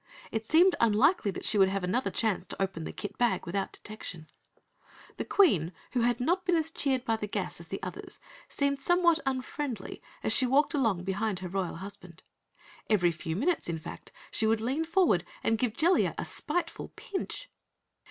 It seemed unlikely that she would have another chance to open the kit bag without detection. The Queen, who had not been as cheered by the gas as the others, seemed somewhat unfriendly as she walked along behind her Royal Husband. Every few minutes, in fact, she would lean forward and give Jellia a spiteful pinch.